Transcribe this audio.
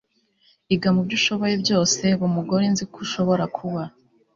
iga mubyo ushoboye byose. ba umugore nzi ko ushobora kuba